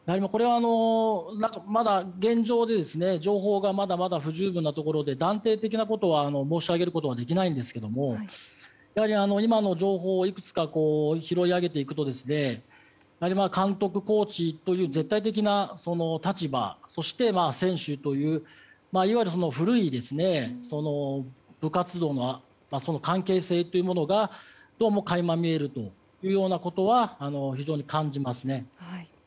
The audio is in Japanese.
まだ現状では情報がまだまだ不十分なところで断定的なことは申し上げることはできないんですけどもやはり、今の情報をいくつか拾い上げていくと監督、コーチという絶対的な立場そして、選手といういわゆる古い部活動の関係性というものがどうも垣間見えるというようなことは非常に感じますね。